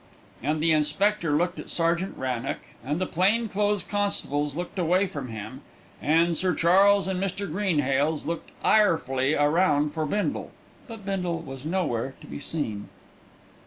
And the inspector looked at Sergeant Wrannock, and the plain clothes constables looked away from him, and Sir Charles and Mr. Greenhales looked irefully round for Bindle; but Bindle was nowhere to be seen.